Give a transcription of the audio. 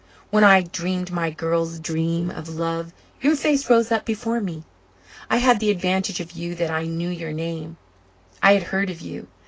When I dreamed my girl's dream of love your face rose up before me. I had the advantage of you that I knew your name I had heard of you.